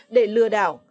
để lừa đảo